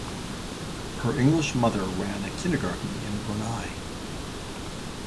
Her English mother ran a kindergarten in Brunei.